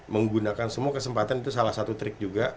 menggunakan semua kesempatan itu salah satu trik juga